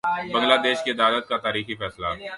بنگلہ دیش کی عدالت کا تاریخی فیصلہ